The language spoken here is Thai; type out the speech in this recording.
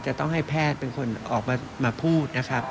จะต้องให้แพทย์เป็นคนออกมาพูดนะครับ